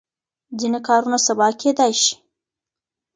ځینې کارونه سبا کېدای شي.